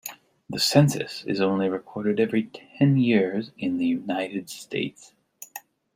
The census is only recorded every ten years in the United States.